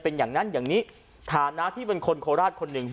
เป็นอย่างนั้นอย่างนี้ฐานะที่เป็นคนโคราชคนหนึ่ง